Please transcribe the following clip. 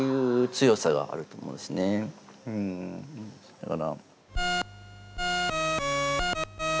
だから。